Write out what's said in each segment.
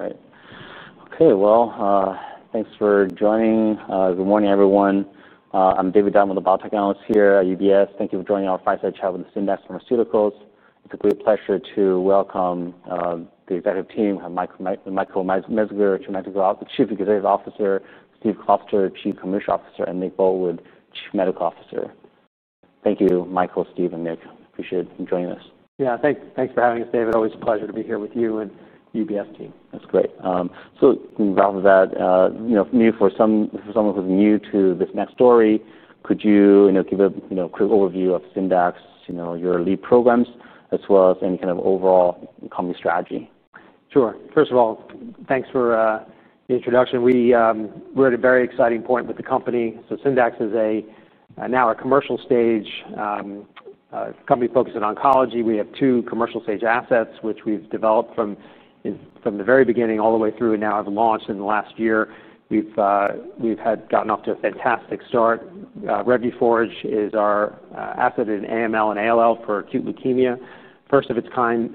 All right. Okay, thanks for joining. Good morning, everyone. I'm David Dunn, the Biotech Analyst here at UBS. Thank you for joining our Fireside Chat with Syndax Pharmaceuticals. It's a great pleasure to welcome the executive team, Michael Metzger, Chief Executive Officer; Steve Kloster, Chief Commercial Officer; and Nick Botwood, Chief Medical Officer. Thank you, Michael, Steve, and Nick. Appreciate you joining us. Yeah, thanks for having us, David. Always a pleasure to be here with you and the UBS team. That's great. So in regards to that, you know, for someone who's new to this next story, could you, you know, give a, you know, quick overview of Syndax, you know, your lead programs, as well as any kind of overall company strategy? Sure. First of all, thanks for the introduction. We, we're at a very exciting point with the company. Syndax is now a commercial stage company focused on oncology. We have two commercial stage assets, which we've developed from the very beginning all the way through, and now have launched in the last year. We've had gotten off to a fantastic start. Revumenib is our asset in AML and ALL for acute leukemia, first of its kind,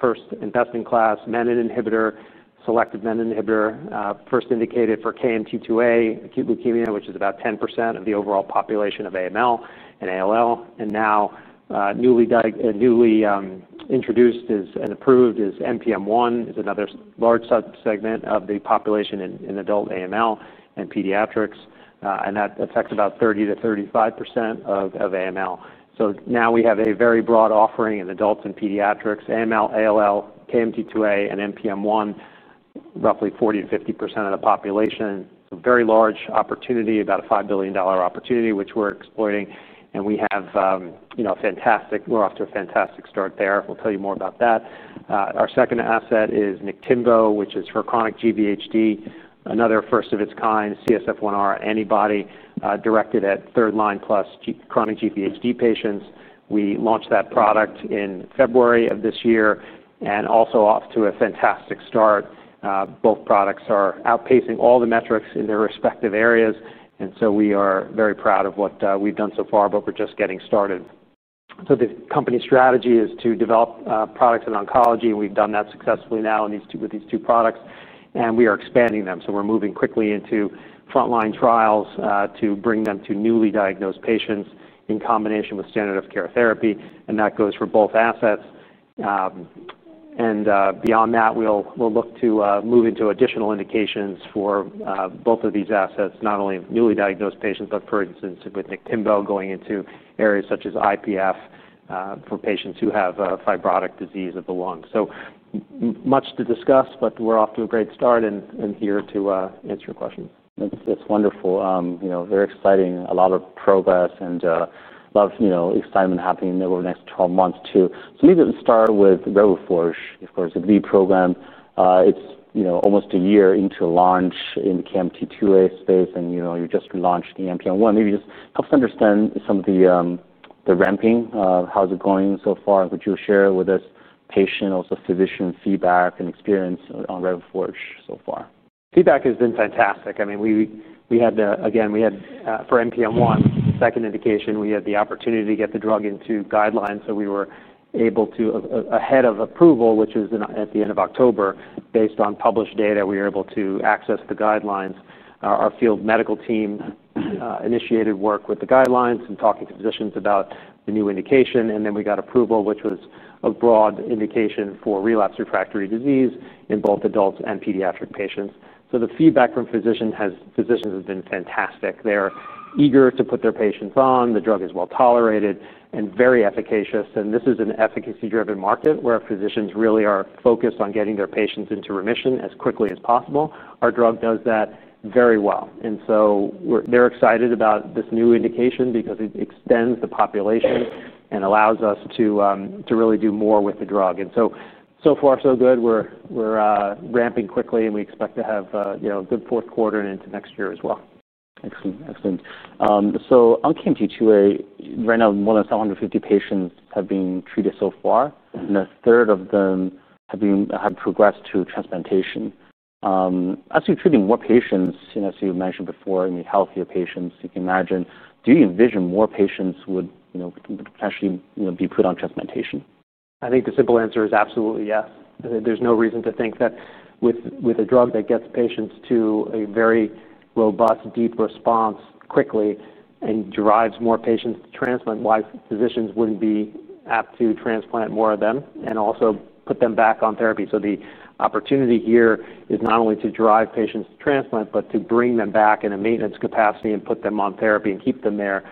first in testing class, menin inhibitor, selective menin inhibitor, first indicated for KMT2A acute leukemia, which is about 10% of the overall population of AML and ALL. Now, newly introduced and approved is NPM1, is another large sub-segment of the population in adult AML and pediatrics. That affects about 30%-35% of AML. Now we have a very broad offering in adults and pediatrics: AML, ALL, KMT2A, and NPM1, roughly 40-50% of the population. It is a very large opportunity, about a $5 billion opportunity, which we are exploiting. And we have, you know, a fantastic—we are off to a fantastic start there. We will tell you more about that. Our second asset is Niktimba, which is for chronic GVHD., another first of its kind, CSF1R antibody, directed at third-line plus chronic GVHD. patients. We launched that product in February of this year and also off to a fantastic start. Both products are outpacing all the metrics in their respective areas. And so we are very proud of what we have done so far, but we are just getting started. The company strategy is to develop products in oncology, and we have done that successfully now in these two—with these two products. We are expanding them. We're moving quickly into front-line trials to bring them to newly diagnosed patients in combination with standard of care therapy. That goes for both assets. Beyond that, we'll look to move into additional indications for both of these assets, not only newly diagnosed patients, but for instance, with Niktimba, going into areas such as IPF for patients who have fibrotic disease of the lung. Much to discuss, but we're off to a great start and here to answer your questions. That's wonderful. You know, very exciting, a lot of progress, and a lot of, you know, excitement happening over the next 12 months too. Maybe we'll start with Revumenib, of course, the lead program. It's, you know, almost a year into launch in the KMT2A space, and, you know, you just launched the NPM1. Maybe just help us understand some of the ramping, how's it going so far. Could you share with us patients, also physician feedback and experience on Revumenib so far? Feedback has been fantastic. I mean, we had, again, for NPM1, second indication, we had the opportunity to get the drug into guidelines. We were able to, ahead of approval, which was at the end of October, based on published data, we were able to access the guidelines. Our field medical team initiated work with the guidelines and talking to physicians about the new indication. We got approval, which was a broad indication for relapsed refractory disease in both adults and pediatric patients. The feedback from physicians has been fantastic. They're eager to put their patients on. The drug is well tolerated and very efficacious. This is an efficacy-driven market where physicians really are focused on getting their patients into remission as quickly as possible. Our drug does that very well. We're excited about this new indication because it extends the population and allows us to really do more with the drug. So far, so good. We're ramping quickly, and we expect to have, you know, a good fourth quarter and into next year as well. Excellent. Excellent. On KMT2A, right now, more than 750 patients have been treated so far. Mm-hmm. A third of them have progressed to transplantation. As you're treating more patients, you know, as you mentioned before, I mean, healthier patients, you can imagine, do you envision more patients would, you know, potentially, you know, be put on transplantation? I think the simple answer is absolutely yes. There's no reason to think that with a drug that gets patients to a very robust, deep response quickly and drives more patients to transplant, why physicians wouldn't be apt to transplant more of them and also put them back on therapy. The opportunity here is not only to drive patients to transplant, but to bring them back in a maintenance capacity and put them on therapy and keep them there,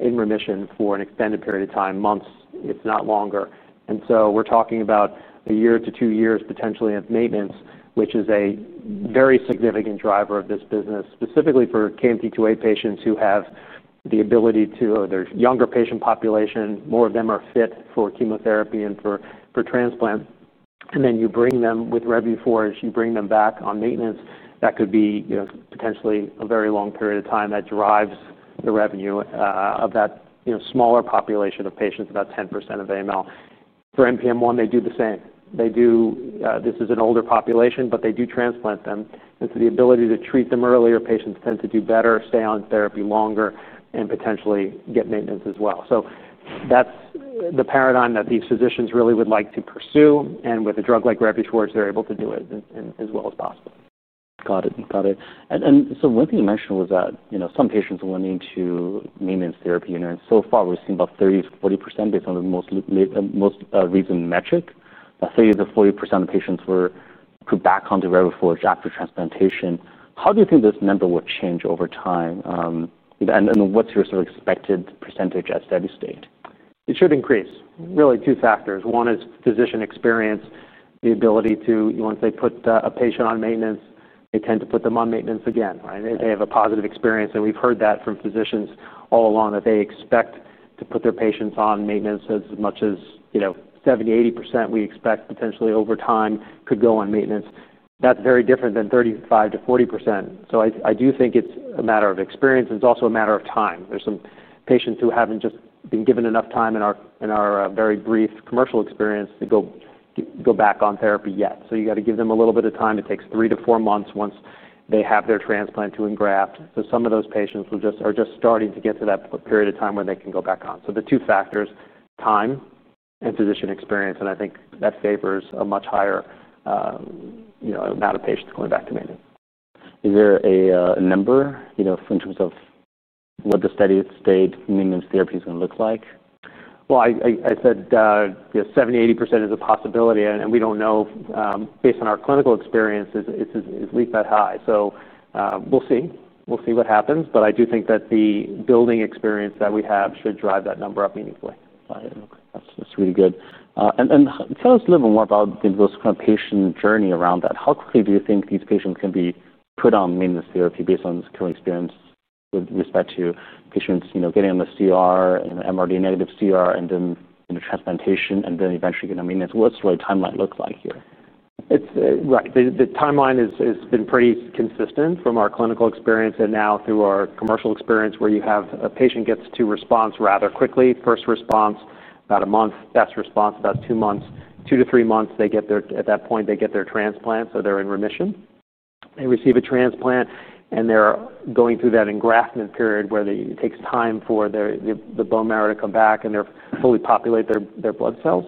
in remission for an extended period of time, months, if not longer. We're talking about a year to two years potentially of maintenance, which is a very significant driver of this business, specifically for KMT2A patients who have the ability to, or their younger patient population, more of them are fit for chemotherapy and for transplant. You bring them with Revuforj, you bring them back on maintenance, that could be, you know, potentially a very long period of time that drives the revenue of that, you know, smaller population of patients, about 10% of AML. For NPM1, they do the same. They do, this is an older population, but they do transplant them. The ability to treat them earlier, patients tend to do better, stay on therapy longer, and potentially get maintenance as well. That is the paradigm that these physicians really would like to pursue. With a drug like Revuforj, they are able to do it as well as possible. Got it. Got it. And so one thing you mentioned was that, you know, some patients were willing to maintenance therapy. And so far, we've seen about 30%-40% based on the most, most recent metric. About 30%-40% of patients were put back onto Revuforj after transplantation. How do you think this number will change over time? And what's your sort of expected percentage at steady state? It should increase. Really, two factors. One is physician experience, the ability to, once they put a patient on maintenance, they tend to put them on maintenance again, right? Mm-hmm. They have a positive experience. We've heard that from physicians all along, that they expect to put their patients on maintenance as much as, you know, 70%-80% we expect potentially over time could go on maintenance. That's very different than 35%-40%. I do think it's a matter of experience. It's also a matter of time. There's some patients who haven't just been given enough time in our very brief commercial experience to go back on therapy yet. You gotta give them a little bit of time. It takes three to four months once they have their transplant to engraft. Some of those patients are just starting to get to that period of time when they can go back on. The two factors are time and physician experience. I think that favors a much higher, you know, amount of patients going back to maintenance. Is there a number, you know, in terms of what the steady state maintenance therapy's gonna look like? I said, you know, 70%-80% is a possibility. We don't know, based on our clinical experience, it's at least that high. We'll see. We'll see what happens. I do think that the building experience that we have should drive that number up meaningfully. Got it. Okay. That's really good. And tell us a little bit more about, you know, those kind of patient journey around that. How quickly do you think these patients can be put on maintenance therapy based on this current experience with respect to patients, you know, getting on the CR and MRD negative CR and then, you know, transplantation and then eventually getting on maintenance? What's the right timeline look like here? It's, right. The timeline has been pretty consistent from our clinical experience and now through our commercial experience where you have a patient gets to response rather quickly, first response, about a month, best response, about two months. Two to three months, at that point, they get their transplant. So they're in remission. They receive a transplant, and they're going through that engraftment period where it takes time for the bone marrow to come back and fully populate their blood cells.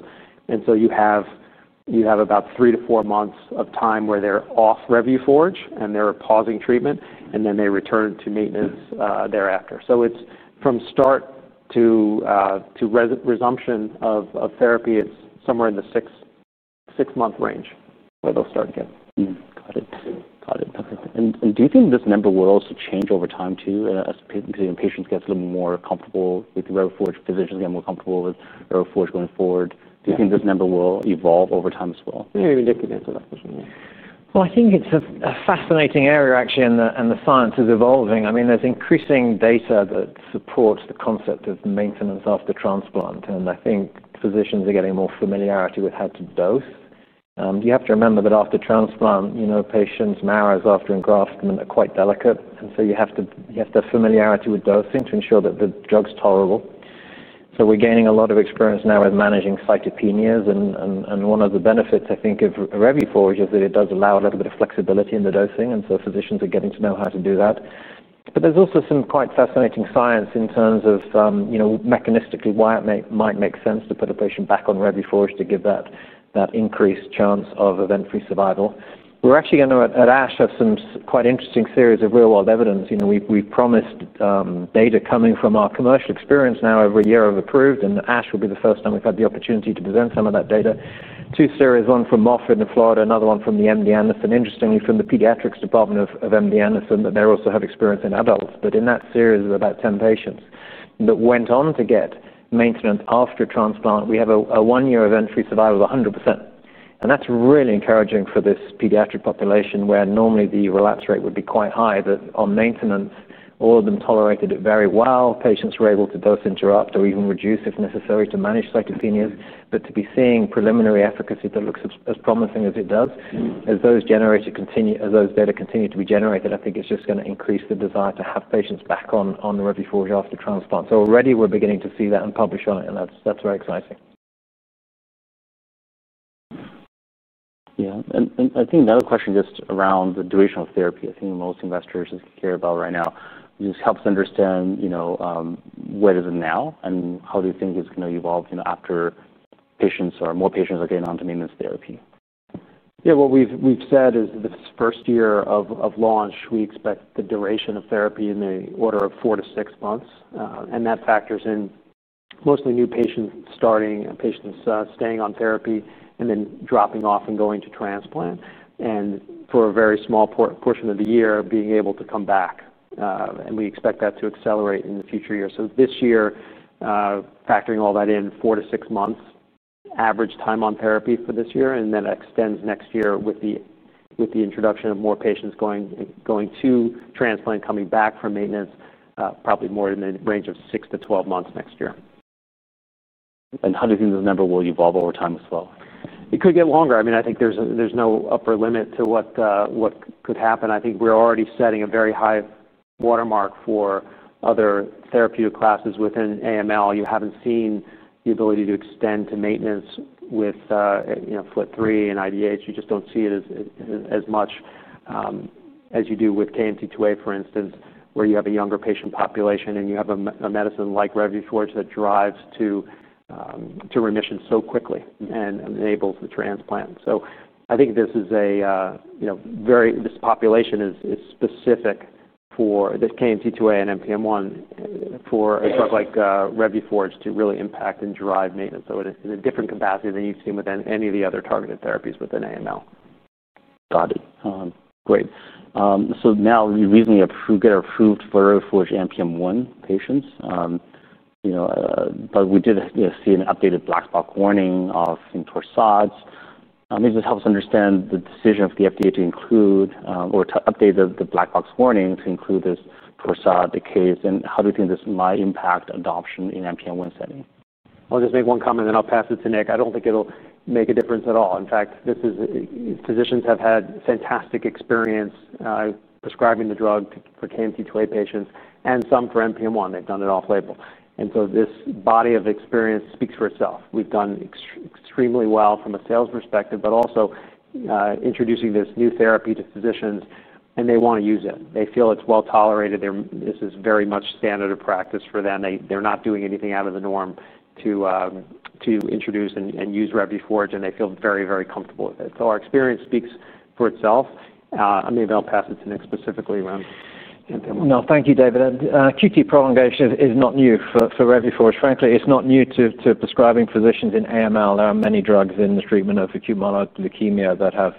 You have about three to four months of time where they're off Revuforj and they're pausing treatment, and then they return to maintenance thereafter. From start to resumption of therapy, it's somewhere in the six-month range where they'll start again. Got it. Okay. Do you think this number will also change over time too, as patients get a little more comfortable with Revuforj? Physicians get more comfortable with Revuforj going forward. Do you think this number will evolve over time as well? Maybe Nick can answer that question. I think it's a fascinating area, actually, and the science is evolving. I mean, there's increasing data that supports the concept of maintenance after transplant. I think physicians are getting more familiarity with how to dose. You have to remember that after transplant, you know, patients' marrows after engraftment are quite delicate. You have to have familiarity with dosing to ensure that the drug's tolerable. We're gaining a lot of experience now with managing Cytopenias. One of the benefits, I think, of Revumenib is that it does allow a little bit of flexibility in the dosing. Physicians are getting to know how to do that. There's also some quite fascinating science in terms of, you know, mechanistically why it might make sense to put a patient back on Revuforj to give that increased chance of event-free survival. We're actually gonna, at ASH, have some quite interesting series of real-world evidence. You know, we've promised data coming from our commercial experience now every year of approved. ASH will be the first time we've had the opportunity to present some of that data. Two series, one from Moffitt in Florida, another one from MD Anderson, interestingly from the pediatrics department of MD Anderson, that they also have experience in adults. In that series of about 10 patients that went on to get maintenance after transplant, we have a one-year event-free survival of 100%. That is really encouraging for this pediatric population where normally the relapse rate would be quite high, that on maintenance, all of them tolerated it very well. Patients were able to dose interrupt or even reduce if necessary to manage cytopenias. To be seeing preliminary efficacy that looks as promising as it does, as those data continue to be generated, I think it is just going to increase the desire to have patients back on Revuforj after transplant. Already we are beginning to see that and publish on it. That is very exciting. Yeah. I think another question just around the duration of therapy, I think most investors care about right now, just helps understand, you know, where is it now and how do you think it's gonna evolve, you know, after patients or more patients are getting onto maintenance therapy? Yeah. What we've said is this first year of launch, we expect the duration of therapy in the order of four to six months. That factors in mostly new patients starting, patients staying on therapy and then dropping off and going to transplant. For a very small portion of the year, being able to come back. We expect that to accelerate in the future year. This year, factoring all that in, four to six months average time on therapy for this year. It extends next year with the introduction of more patients going to transplant, coming back from maintenance, probably more in the range of 6-12 months next year. How do you think this number will evolve over time as well? It could get longer. I mean, I think there's no upper limit to what could happen. I think we're already setting a very high watermark for other therapeutic classes within AML. You haven't seen the ability to extend to maintenance with, you know, FLT3 and IDH. You just don't see it as much as you do with KMT2A, for instance, where you have a younger patient population and you have a medicine like Revumenib that drives to remission so quickly and enables the transplant. I think this is a, you know, very, this population is specific for the KMT2A and NPM1 for a drug like Revumenib to really impact and drive maintenance in a different capacity than you've seen with any of the other targeted therapies within AML. Got it. Great. So now you recently got approved for Revumenib in NPM1 patients. You know, but we did see an updated black box warning of, you know, Torsades. It just helps understand the decision of the FDA to include, or to update the black box warning to include this Torsades case. And how do you think this might impact adoption in the NPM1 setting? I'll just make one comment, and then I'll pass it to Nick. I don't think it'll make a difference at all. In fact, this is, physicians have had fantastic experience prescribing the drug for KMT2A patients and some for NPM1. They've done it off-label. And so this body of experience speaks for itself. We've done extremely well from a sales perspective, but also introducing this new therapy to physicians, and they wanna use it. They feel it's well tolerated. This is very much standard of practice for them. They're not doing anything out of the norm to introduce and use Revumenib. And they feel very, very comfortable with it. So our experience speaks for itself. I may well pass it to Nick specifically around NPM1. No, thank you, David. QT prolongation is not new for Revuforj. Frankly, it's not new to prescribing physicians in AML. There are many drugs in the treatment of acute myeloid leukemia that have,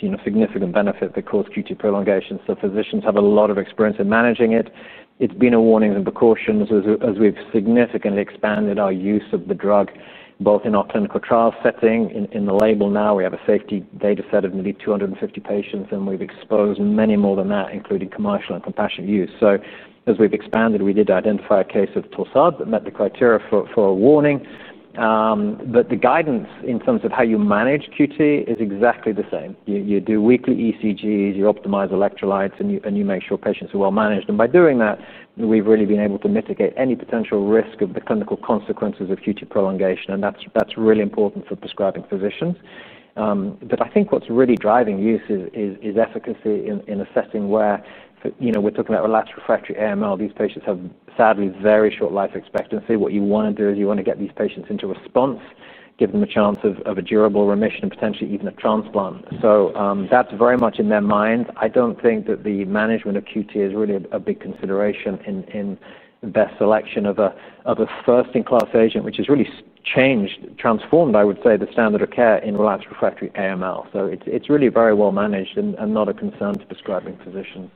you know, significant benefit that cause QT prolongation. Physicians have a lot of experience in managing it. It's been a warnings and precautions as we've significantly expanded our use of the drug, both in our clinical trial setting and in the label. Now we have a safety data set of nearly 250 patients, and we've exposed many more than that, including commercial and compassionate use. As we've expanded, we did identify a case of Torsades de Pointes that met the criteria for a warning. The guidance in terms of how you manage QT is exactly the same. You do weekly ECG, you optimize electrolytes, and you make sure patients are well managed. By doing that, we've really been able to mitigate any potential risk of the clinical consequences of QT prolongation. That's really important for prescribing physicians. I think what's really driving use is efficacy in assessing where, for, you know, we're talking about relapse refractory AML. These patients have sadly very short life expectancy. What you wanna do is you wanna get these patients into response, give them a chance of a durable remission, and potentially even a transplant. That's very much in their minds. I don't think that the management of QT is really a big consideration in the best selection of a first-in-class agent, which has really changed, transformed, I would say, the standard of care in relapse refractory AML. It is really very well managed and not a concern to prescribing physicians.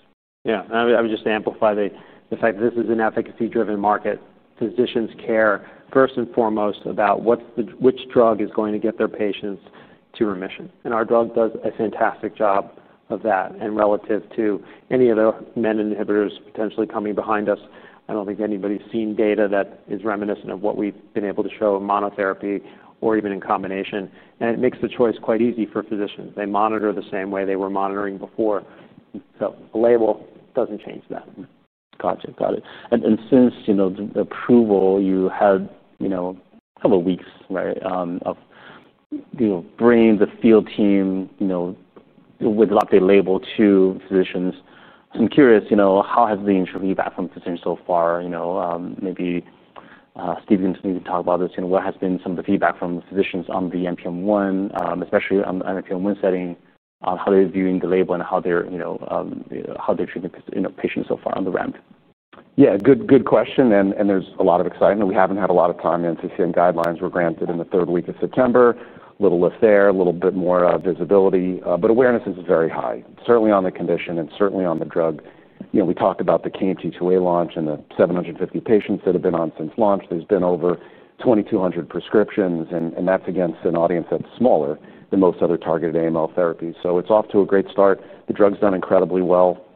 Yeah. I would just amplify the fact that this is an efficacy-driven market. Physicians care first and foremost about which drug is going to get their patients to remission. Our drug does a fantastic job of that. Relative to any other menin inhibitors potentially coming behind us, I do not think anybody has seen data that is reminiscent of what we have been able to show in monotherapy or even in combination. It makes the choice quite easy for physicians. They monitor the same way they were monitoring before. The label does not change that. Gotcha. Got it. And since, you know, the approval, you had, you know, a couple of weeks, right, of, you know, bringing the field team, you know, with the updated label to physicians. I'm curious, you know, how has the feedback from physicians so far? You know, maybe Steve can maybe talk about this. You know, what has been some of the feedback from the physicians on the NPM1, especially on the NPM1 setting, on how they're viewing the label and how they're, you know, how they're treating patients so far on the ramp? Yeah. Good, good question. There's a lot of excitement. We haven't had a lot of time yet to see any guidelines. We were granted in the third week of September. Little lift there, a little bit more visibility. Awareness is very high, certainly on the condition and certainly on the drug. You know, we talked about the KMT2A launch and the 750 patients that have been on since launch. There's been over 2,200 prescriptions. That's against an audience that's smaller than most other targeted AML therapies. It's off to a great start. The drug's done incredibly well.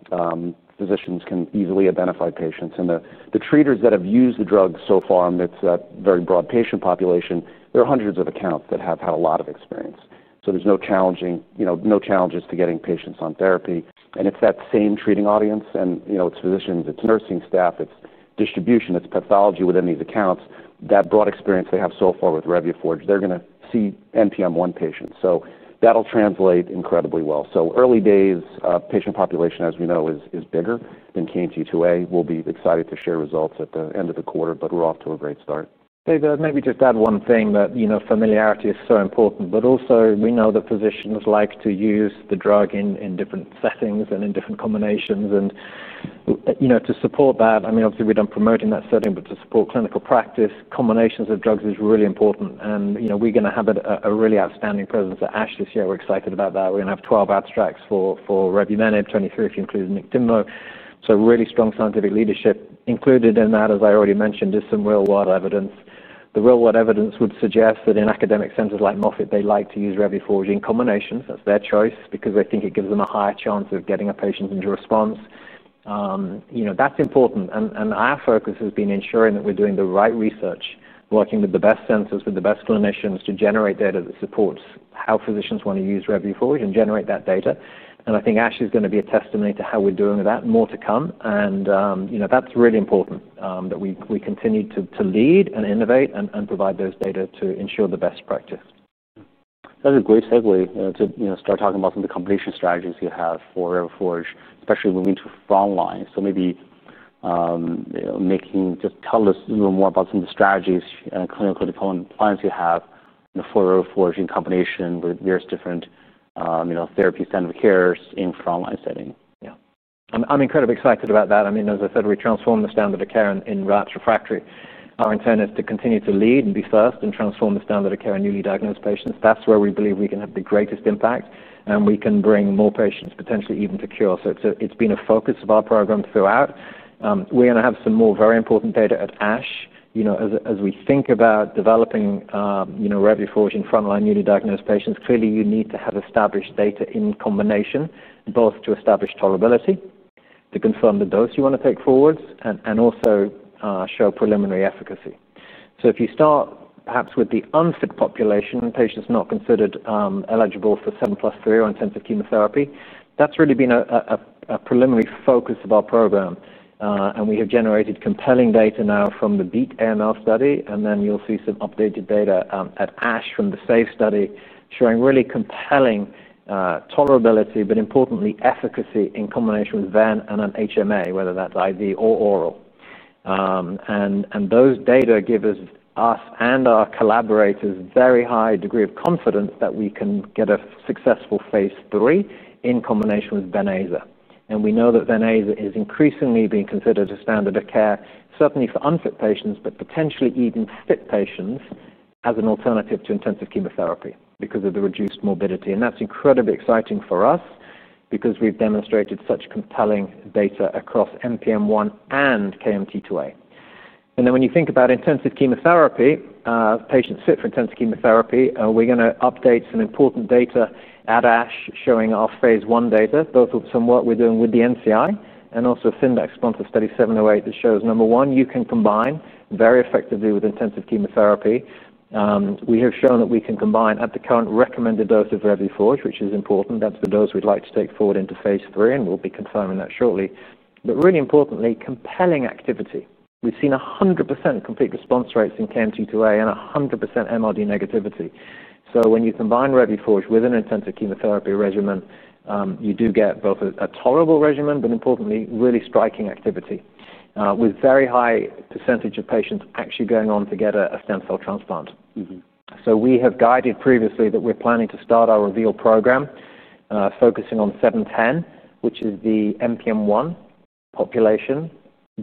Physicians can easily identify patients. The treaters that have used the drug so far, and it's a very broad patient population, there are hundreds of accounts that have had a lot of experience. There's no challenge, you know, no challenges to getting patients on therapy. It's that same treating audience. You know, it's physicians, it's nursing staff, it's distribution, it's pathology within these accounts. That broad experience they have so far with Revuforj, they're gonna see NPM1 patients. That'll translate incredibly well. Early days, patient population, as we know, is bigger than KMT2A. We'll be excited to share results at the end of the quarter, but we're off to a great start. David, maybe just add one thing that, you know, familiarity is so important, but also we know that physicians like to use the drug in different settings and in different combinations. You know, to support that, I mean, obviously we're done promoting that setting, but to support clinical practice, combinations of drugs is really important. You know, we're gonna have a really outstanding presence at ASH this year. We're excited about that. We're gonna have 12 abstracts for Revumenib, 23 if you include Niktimba. So really strong scientific leadership included in that, as I already mentioned, is some real-world evidence. The real-world evidence would suggest that in academic centers like Moffitt, they like to use Revumenib in combinations. That's their choice because they think it gives them a higher chance of getting a patient into response. You know, that's important. Our focus has been ensuring that we're doing the right research, working with the best centers, with the best clinicians to generate data that supports how physicians wanna use Revuforj and generate that data. I think ASH is gonna be a testimony to how we're doing with that, more to come. You know, that's really important, that we continue to lead and innovate and provide those data to ensure the best practice. That's a great segue, to, you know, start talking about some of the combination strategies you have for Revuforj, especially moving to frontline. So maybe, you know, making just tell us a little more about some of the strategies and clinical compliance you have for Revuforj in combination with various different, you know, therapy standard of cares in frontline setting. Yeah. I'm incredibly excited about that. I mean, as I said, we transform the standard of care in relapse refractory. Our intent is to continue to lead and be first and transform the standard of care in newly diagnosed patients. That's where we believe we can have the greatest impact, and we can bring more patients potentially even to cure. It's been a focus of our program throughout. We're gonna have some more very important data at ASH, you know, as we think about developing, you know, Revuforj in frontline newly diagnosed patients. Clearly, you need to have established data in combination, both to establish tolerability, to confirm the dose you want to take forwards, and also, show preliminary efficacy. If you start perhaps with the unfit population, patients not considered eligible for 7 plus 3 or intensive chemotherapy, that's really been a preliminary focus of our program. We have generated compelling data now from the Beat AML study. You will see some updated data at ASH from the SAFE study showing really compelling tolerability, but importantly, efficacy in combination with ven and an HMA, whether that's IV or oral. Those data give us and our collaborators a very high degree of confidence that we can get a successful phase three in combination with Venaza. We know that Venaza is increasingly being considered a standard of care, certainly for unfit patients, but potentially even fit patients as an alternative to intensive chemotherapy because of the reduced morbidity. That's incredibly exciting for us because we've demonstrated such compelling data across NPM1 and KMT2A. When you think about intensive chemotherapy, patients fit for intensive chemotherapy, we're gonna update some important data at ASH showing our phase one data, both with some work we're doing with the NCI and also Syndax sponsored study 708 that shows, number one, you can combine very effectively with intensive chemotherapy. We have shown that we can combine at the current recommended dose of Revumenib, which is important. That's the dose we'd like to take forward into phase three, and we'll be confirming that shortly. Really importantly, compelling activity. We've seen 100% complete response rates in KMT2A and 100% MRD negativity. When you combine Revuforj with an intensive chemotherapy regimen, you do get both a tolerable regimen, but importantly, really striking activity, with very high percentage of patients actually going on to get a stem cell transplant. Mm-hmm. We have guided previously that we're planning to start our REVEAL program, focusing on 710, which is the NPM1 population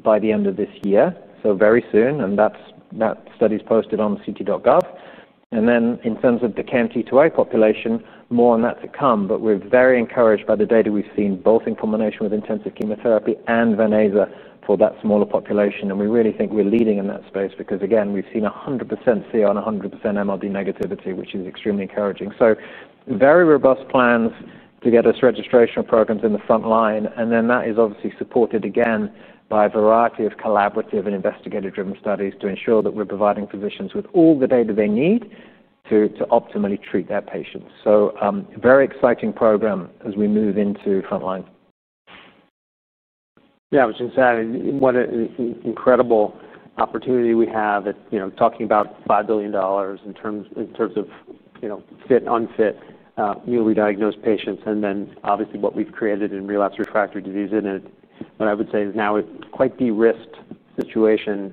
by the end of this year, so very soon. That study's posted on ct.gov. In terms of the KMT2A population, more on that to come. We're very encouraged by the data we've seen, both in combination with intensive chemotherapy and Venclexta for that smaller population. We really think we're leading in that space because, again, we've seen 100% CR and 100% MRD negativity, which is extremely encouraging. Very robust plans to get us registration programs in the frontline. That is obviously supported again by a variety of collaborative and investigator-driven studies to ensure that we're providing physicians with all the data they need to optimally treat their patients. Very exciting program as we move into frontline. Yeah. Which is exciting. What an incredible opportunity we have at, you know, talking about $5 billion in terms, in terms of, you know, fit, unfit, newly diagnosed patients. And then obviously what we've created in relapse refractory disease in it, what I would say is now we've quite de-risked the situation,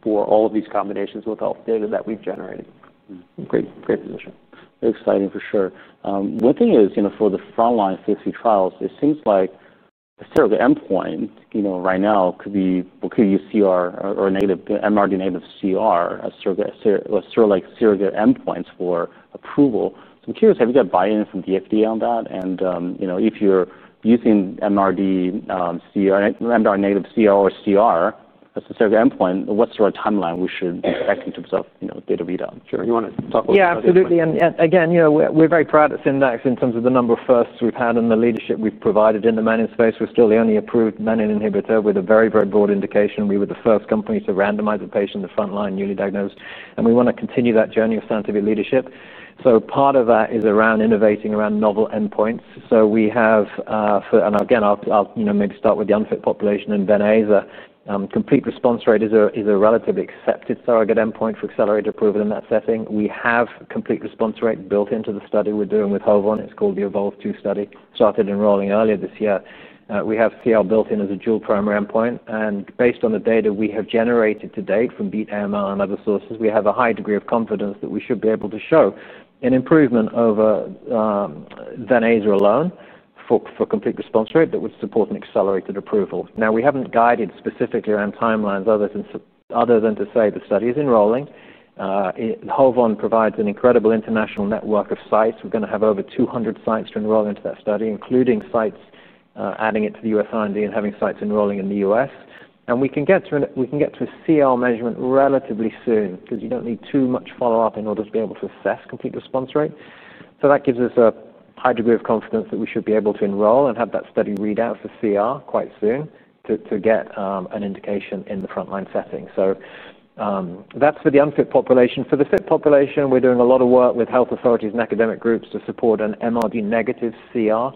for all of these combinations with all the data that we've generated. Great. Great position. Very exciting for sure. One thing is, you know, for the frontline phase three trials, it seems like a surrogate endpoint, you know, right now could be CR or MRD negative CR, a surrogate, a surrogate endpoint for approval. I'm curious, have you got buy-in from the FDA on that? And, you know, if you're using MRD, CR, MRD negative CR or CR as a surrogate endpoint, what sort of timeline we should expect in terms of, you know, data readout? Sure. You wanna talk about that? Yeah. Absolutely. You know, we're very proud at Syndax in terms of the number of firsts we've had and the leadership we've provided in the menin space. We're still the only approved menin inhibitor with a very, very broad indication. We were the first company to randomize a patient in the frontline newly diagnosed. We wanna continue that journey of scientific leadership. Part of that is around innovating around novel endpoints. We have, for, and again, I'll, you know, maybe start with the unfit population and Venclexta. Complete response rate is a relatively accepted surrogate endpoint for accelerated approval in that setting. We have complete response rate built into the study we're doing with HOVON. It's called the Evolve 2 study, started enrolling earlier this year. We have CR built in as a dual primary endpoint. Based on the data we have generated to date from BEAT AML and other sources, we have a high degree of confidence that we should be able to show an improvement over Venclexta alone for complete response rate that would support an accelerated approval. We have not guided specifically around timelines, other than to say the study is enrolling. HOVON provides an incredible international network of sites. We are going to have over 200 sites to enroll into that study, including sites adding it to the U.S. R&D and having sites enrolling in the U.S.. We can get to a CR measurement relatively soon because you do not need too much follow-up in order to be able to assess complete response rate. That gives us a high degree of confidence that we should be able to enroll and have that study readout for CR quite soon to get an indication in the frontline setting. That is for the unfit population. For the fit population, we're doing a lot of work with health authorities and academic groups to support an MRD negative CR.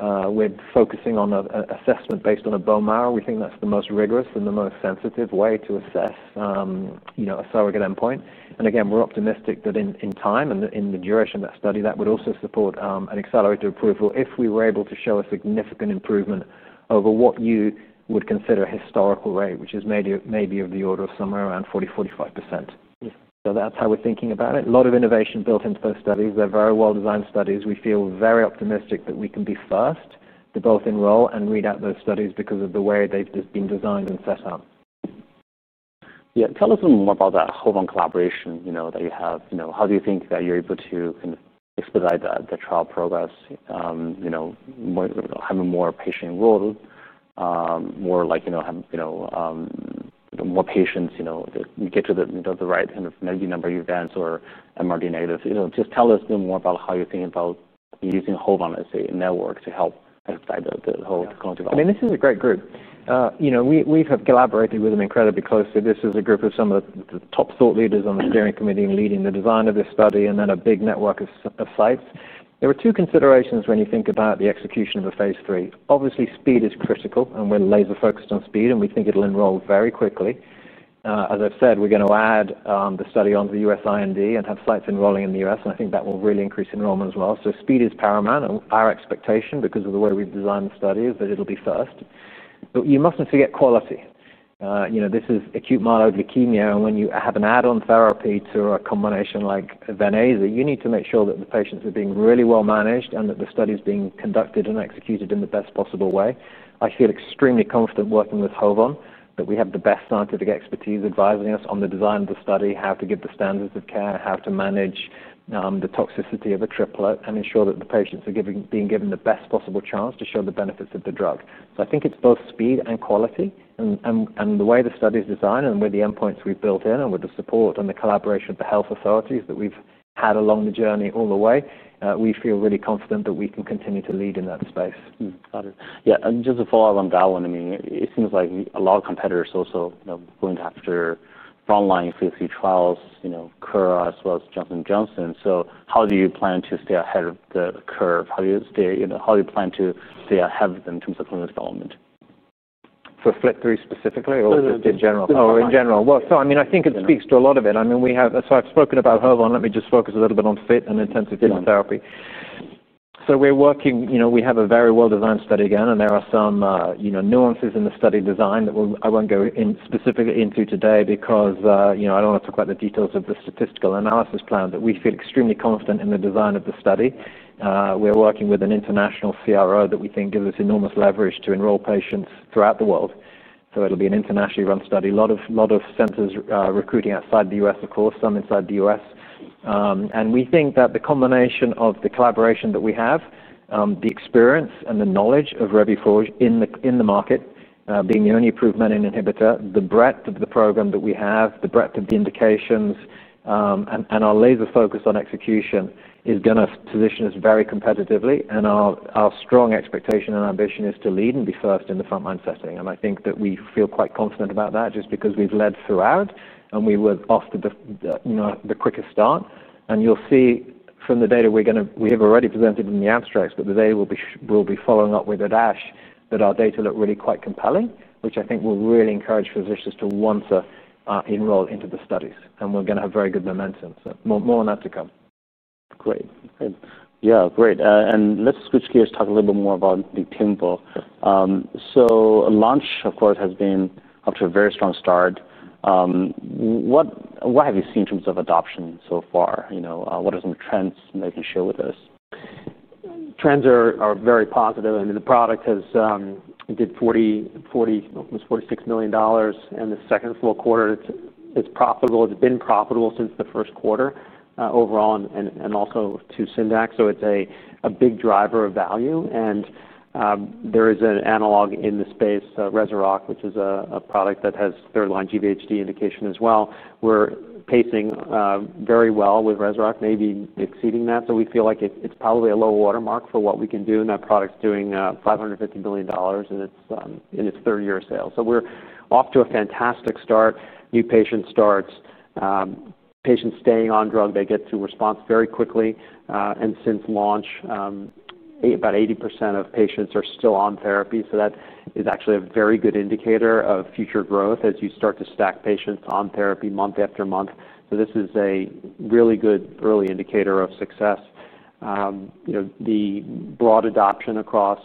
We're focusing on an assessment based on a bone marrow. We think that's the most rigorous and the most sensitive way to assess, you know, a surrogate endpoint. Again, we're optimistic that in time and in the duration of that study, that would also support an accelerated approval if we were able to show a significant improvement over what you would consider a historical rate, which is maybe of the order of somewhere around 40%-45%. That is how we're thinking about it. A lot of innovation built into those studies. They're very well-designed studies. We feel very optimistic that we can be first to both enroll and read out those studies because of the way they've been designed and set up. Yeah. Tell us a little more about that HOVON collaboration, you know, that you have. You know, how do you think that you're able to kind of expedite that trial progress, you know, having more patient enrolled, more like, you know, have, you know, more patients, you know, that you get to the, you know, the right kind of 90 number events or MRD negatives? You know, just tell us a little more about how you're thinking about using HOVON, let's say, network to help expedite the whole clinical development. I mean, this is a great group. You know, we've collaborated with them incredibly closely. This is a group of some of the top thought leaders on the steering committee and leading the design of this study and then a big network of sites. There were two considerations when you think about the execution of a phase three. Obviously, speed is critical, and we're laser-focused on speed, and we think it'll enroll very quickly. As I've said, we're gonna add the study onto the U.S. R&D and have sites enrolling in the US. I think that will really increase enrollment as well. Speed is paramount and our expectation because of the way we've designed the study is that it'll be first. You mustn't forget quality. You know, this is acute myeloid leukemia. When you have an add-on therapy to a combination like Venclexta, you need to make sure that the patients are being really well managed and that the study is being conducted and executed in the best possible way. I feel extremely confident working with HOVON that we have the best scientific expertise advising us on the design of the study, how to give the standards of care, how to manage the toxicity of a triplet, and ensure that the patients are being given the best possible chance to show the benefits of the drug. I think it's both speed and quality, and the way the study's designed and with the endpoints we've built in and with the support and the collaboration of the health authorities that we've had along the journey all the way, we feel really confident that we can continue to lead in that space. Got it. Yeah. And just to follow up on that one, I mean, it seems like a lot of competitors also, you know, going after frontline phase three trials, you know, Cura as well as Johnson & Johnson. How do you plan to stay ahead of the curve? How do you stay, you know, how do you plan to stay ahead of them in terms of clinical development? For flip three specifically or just in general? Oh, in general. I mean, I think it speaks to a lot of it. I mean, we have, so I've spoken about HOVON. Let me just focus a little bit on fit and intensive chemotherapy. Yeah. So we're working, you know, we have a very well-designed study again, and there are some, you know, nuances in the study design that we'll, I won't go in specifically into today because, you know, I don't wanna talk about the details of the statistical analysis plan, but we feel extremely confident in the design of the study. We're working with an international CRO that we think gives us enormous leverage to enroll patients throughout the world. It will be an internationally run study. A lot of centers recruiting outside the U.S., of course, some inside the U.S. We think that the combination of the collaboration that we have, the experience and the knowledge of Revumenib in the market, being the only approved menin inhibitor, the breadth of the program that we have, the breadth of the indications, and our laser focus on execution is gonna position us very competitively. Our strong expectation and ambition is to lead and be first in the frontline setting. I think that we feel quite confident about that just because we've led throughout and we were off to the quickest start. You'll see from the data we have already presented in the abstracts, but the data will be following up with at ASH that our data look really quite compelling, which I think will really encourage physicians to want to enroll into the studies. We're gonna have very good momentum. More, more on that to come. Great. Great. Yeah. Great. Let's switch gears, talk a little bit more about the PIMPL. So launch, of course, has been off to a very strong start. What, what have you seen in terms of adoption so far? You know, what are some trends that you can share with us? Trends are very positive. I mean, the product has, did 40, 40, almost $46 million. In the second full quarter, it's profitable. It's been profitable since the first quarter, overall. And also to FINDAC. So it's a big driver of value. There is an analog in the space, Rezurock, which is a product that has third line GVHD. indication as well. We're pacing very well with Rezurock, maybe exceeding that. We feel like it's probably a low watermark for what we can do. That product's doing $550 million in its third year of sale. We're off to a fantastic start. New patient starts, patients staying on drug, they get to response very quickly, and since launch, about 80% of patients are still on therapy. That is actually a very good indicator of future growth as you start to stack patients on therapy month after month. This is a really good early indicator of success. You know, the broad adoption across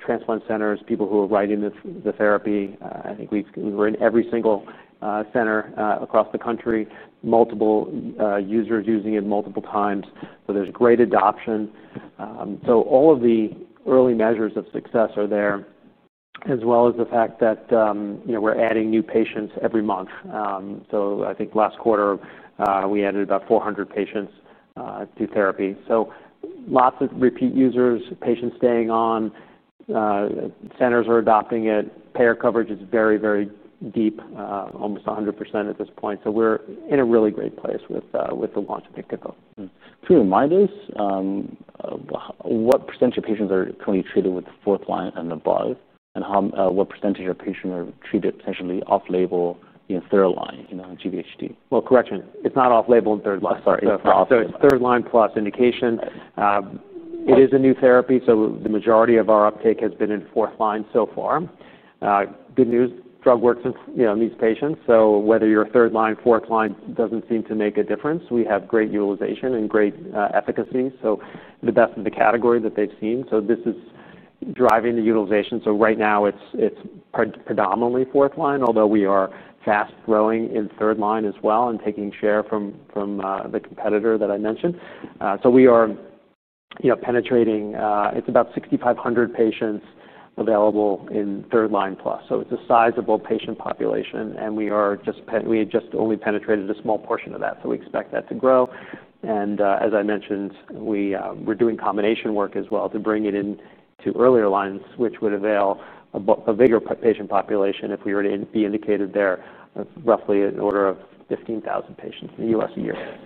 transplant centers, people who are writing the therapy, I think we were in every single center across the country, multiple users using it multiple times. There is great adoption. All of the early measures of success are there, as well as the fact that, you know, we're adding new patients every month. I think last quarter, we added about 400 patients to therapy. Lots of repeat users, patients staying on, centers are adopting it. Payer coverage is very, very deep, almost 100% at this point. We're in a really great place with the launch of Niktimba. To remind us, what percentage of patients are currently treated with fourth line and above? What percentage of patients are treated potentially off-label in third line, you know, GVHD.? Correction. It's not off-label in third line. Sorry. It's third line plus indication. It is a new therapy. The majority of our uptake has been in fourth line so far. Good news. Drug works in, you know, in these patients. Whether you're third line, fourth line, doesn't seem to make a difference. We have great utilization and great efficacy. The best of the category that they've seen. This is driving the utilization. Right now it's predominantly fourth line, although we are fast growing in third line as well and taking share from the competitor that I mentioned. We are, you know, penetrating, it's about 6,500 patients available in third line plus. It's a sizable patient population. We had just only penetrated a small portion of that. We expect that to grow. As I mentioned, we're doing combination work as well to bring it into earlier lines, which would avail a bigger patient population if we were to be indicated there, roughly an order of 15,000 patients in the U.S. a year.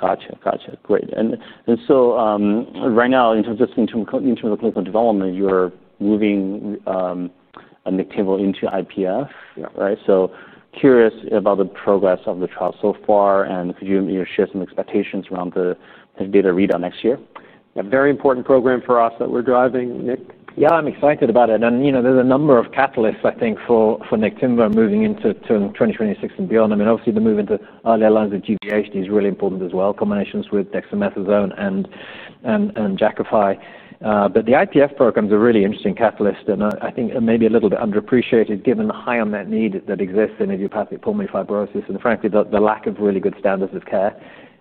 Gotcha. Gotcha. Great. And, and so, right now, in terms of, in terms of clinical development, you're moving Niktimba into IPF, right? So curious about the progress of the trial so far. And could you, you know, share some expectations around the data readout next year? A very important program for us that we're driving, Nick? Yeah. I'm excited about it. And, you know, there's a number of catalysts, I think, for Niktimba moving into 2026 and beyond. I mean, obviously, the move into earlier lines of GVHD. is really important as well, combinations with dexamethasone and Jakafi. The IPF programs are really interesting catalysts. I think maybe a little bit underappreciated given the high unmet need that exists in idiopathic pulmonary fibrosis and, frankly, the lack of really good standards of care.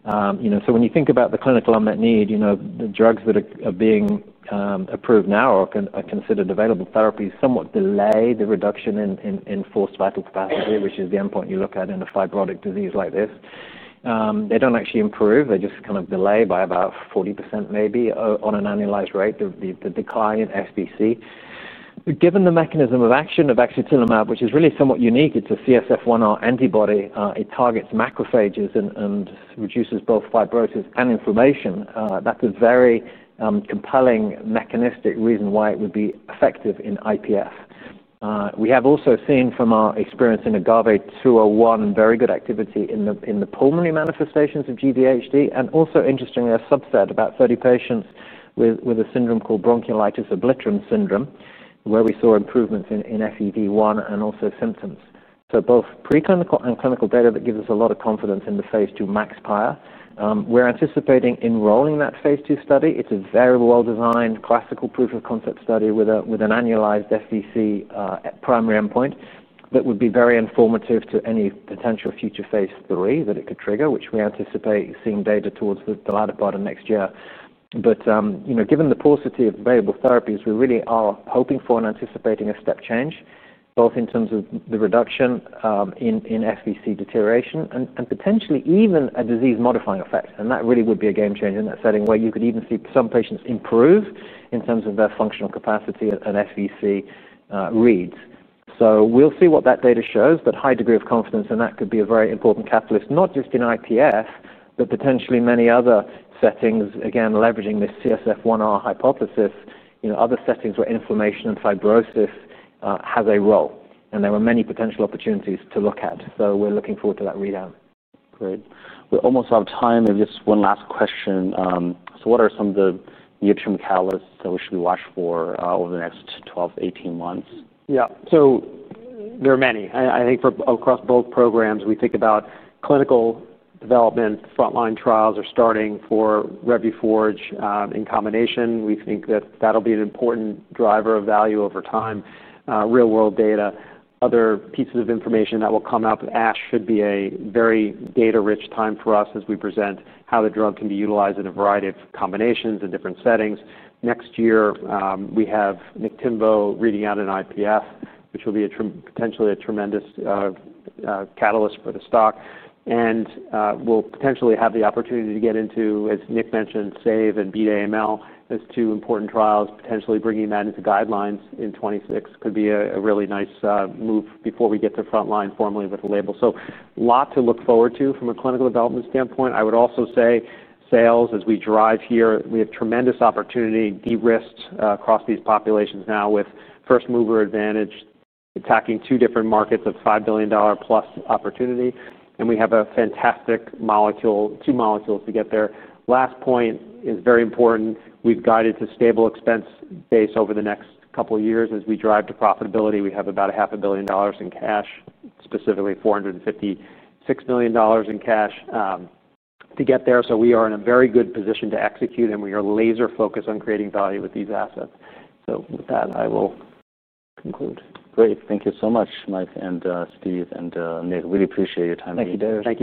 You know, so when you think about the clinical unmet need, you know, the drugs that are being approved now or are considered available therapies somewhat delay the reduction in forced vital capacity, which is the endpoint you look at in a fibrotic disease like this. They do not actually improve. They just kind of delay by about 40% maybe on an annualized rate. The decline in SVC. Given the mechanism of action of Axatilimab, which is really somewhat unique, it's a CSF1R antibody. It targets macrophages and reduces both fibrosis and inflammation. That's a very compelling mechanistic reason why it would be effective in IPF. We have also seen from our experience in AGAVE-201 very good activity in the pulmonary manifestations of GVHD.. Also, interestingly, a subset, about 30 patients with a syndrome called bronchiolitis obliterans syndrome, where we saw improvements in FEV1 and also symptoms. Both preclinical and clinical data give us a lot of confidence in the phase two [MAXIMA]. We're anticipating enrolling that phase two study. It's a very well-designed classical proof of concept study with an annualized SVC primary endpoint that would be very informative to any potential future phase three that it could trigger, which we anticipate seeing data towards the latter part of next year. You know, given the paucity of available therapies, we really are hoping for and anticipating a step change, both in terms of the reduction in SVC deterioration and potentially even a disease-modifying effect. That really would be a game changer in that setting where you could even see some patients improve in terms of their functional capacity and SVC reads. We'll see what that data shows, but high degree of confidence in that could be a very important catalyst, not just in IPF, but potentially many other settings, again, leveraging this CSF1R hypothesis, you know, other settings where inflammation and fibrosis has a role. There were many potential opportunities to look at. We're looking forward to that readout. Great. We are almost out of time. Just one last question. So what are some of the near-term catalysts that we should be watching for over the next 12-18 months? Yeah. There are many. I think for across both programs, we think about clinical development, frontline trials are starting for Revuforj, in combination. We think that that will be an important driver of value over time. Real-world data, other pieces of information that will come up. ASH should be a very data-rich time for us as we present how the drug can be utilized in a variety of combinations and different settings. Next year, we have Niktimvo reading out in IPF, which will be potentially a tremendous catalyst for the stock. We will potentially have the opportunity to get into, as Nick mentioned, SAVE and B-AML as two important trials, potentially bringing that into guidelines in 2026. Could be a really nice move before we get to frontline formally with a label. A lot to look forward to from a clinical development standpoint. I would also say sales as we drive here, we have tremendous opportunity, de-risked across these populations now with first mover advantage, attacking two different markets of $5 billion-plus opportunity. We have a fantastic molecule, two molecules to get there. Last point is very important. We have guided to stable expense base over the next couple of years as we drive to profitability. We have about $500 million in cash, specifically $456 million in cash, to get there. We are in a very good position to execute, and we are laser-focused on creating value with these assets. I will conclude. Great. Thank you so much, Mike and Steve and Nick. Really appreciate your time here. Thank you, Darius.